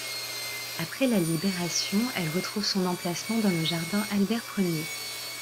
Après la Libération, elle retrouve son emplacement dans le jardin Albert-Ier.